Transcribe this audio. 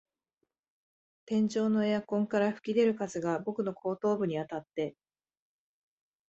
天井のエアコンから吹き出る風が僕の後頭部にあたって、